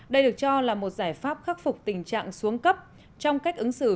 đây được cho là một giải pháp khắc phục tình trạng xuống cấp trong cách ứng xử